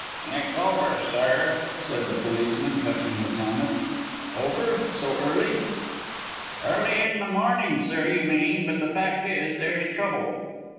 "It's over, sir," said the policeman, touching his helmet. "Over so early!" "Early in the morning, sir, you mean. But the fact is, there's trouble."